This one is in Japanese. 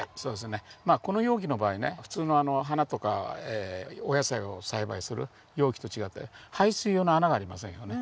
まあこの容器の場合ね普通の花とかお野菜を栽培する容器と違って排水用の穴がありませんよね。